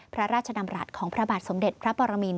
พระราชดำรัฐของพระบาทสมเด็จพระปรมิน